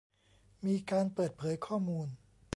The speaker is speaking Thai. มีการเปิดเผยข้อมูล